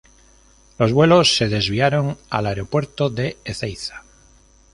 Los vuelos se desviaron al aeropuerto de Ezeiza.